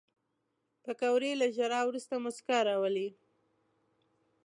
پکورې له ژړا وروسته موسکا راولي